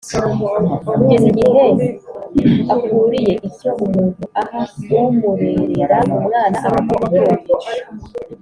kugeza igihe akuriye; icyo umuntu aha umurerera umwana akakimutungisha